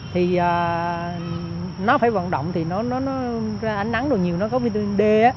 thì nó phải vận động thì nó ra ánh nắng nhiều nó có vitamin d